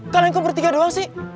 kalian kau bertiga doang sih